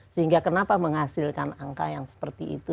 sehingga kenapa menghasilkan angka yang seperti itu